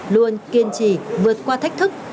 luôn kiên trì vượt qua thách thức